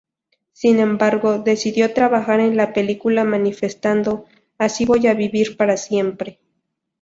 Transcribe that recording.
Sin embargo, decidió trabajar en la película manifestando: "Así, voy a vivir para siempre".